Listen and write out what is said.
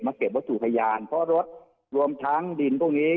เก็บวัตถุพยานเพราะรถรวมทั้งดินพวกนี้